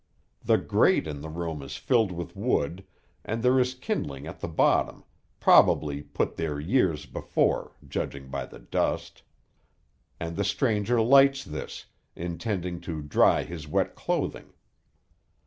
The grate in the room is filled with wood, and there is kindling at the bottom, probably put there years before, judging by the dust; and the stranger lights this, intending to dry his wet clothing.